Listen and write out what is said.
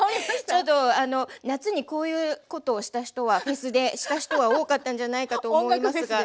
ちょっと夏にこういうことをした人はフェスでした人は多かったんじゃないかと思いますが。